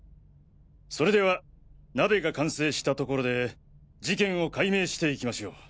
それでは鍋が完成したところで事件を解明していきましょう。